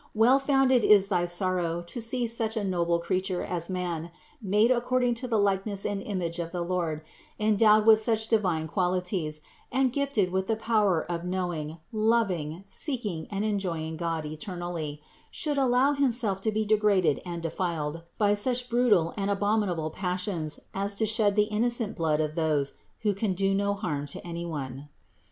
Well founded is thy sorrow to see how such a noble creature as man, made according to the likeness and image of the Lord, endowed with such divine qualities, and gifted with the power of knowing, loving, seeing, and enjoying God eternally, should allow himself to be degraded and defiled by such brutal and abominable passions as to shed the innocent blood of those who can do no harm to any one.